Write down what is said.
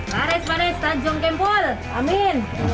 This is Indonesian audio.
mares mares tajung kempul amin